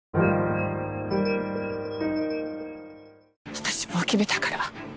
私もう決めたから。